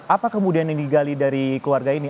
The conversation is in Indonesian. apa kemudian yang digali dari keluarga ini